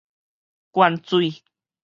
灌水